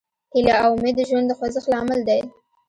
هیله او امید د ژوند د خوځښت لامل دی.